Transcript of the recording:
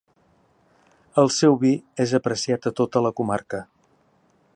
El seu vi és apreciat a tota la comarca.